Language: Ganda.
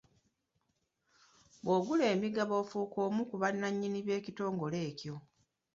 Bw'ogula emigabo ofuuka omu ku bannannyini b'ekitongole ekyo.